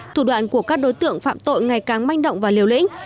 thủ đoạn của các đối tượng phạm tội ngày càng manh động và liều lĩnh